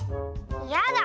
やだ！